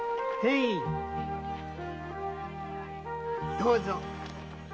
どうぞ。